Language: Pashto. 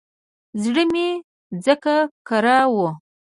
زړه مې ځکه کره و.